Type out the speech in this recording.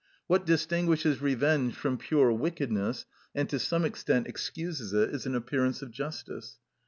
What distinguishes revenge from pure wickedness, and to some extent excuses it, is an appearance of justice.